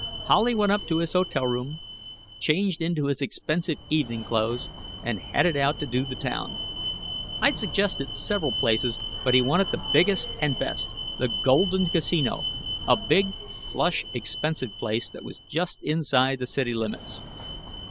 Howley went up to his hotel room, changed into his expensive evening clothes, and headed out to do the town. I'd suggested several places, but he wanted the biggest and best the Golden Casino, a big, plush, expensive place that was just inside the city limits.